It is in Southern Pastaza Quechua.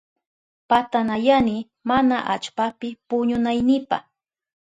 Patanayani mana allpapi puñunaynipa.